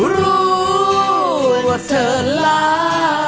รู้ว่าเธอลา